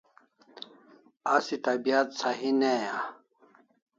Asi tabiat sahi ne a?